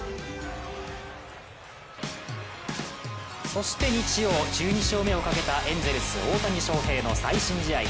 そして日曜、１２勝目をかけたエンゼルス・大谷翔平の最新試合。